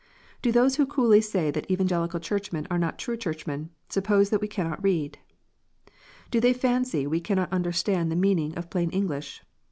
Do those who coolly say that Evangelical Churchmen are not true Churchmen, suppose that we cannot read 1 ? Do they fancy we cannot understand the meaning of plain English